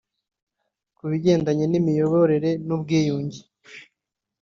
Ku bigendanye n’ imiyoborere n’ubwiyunge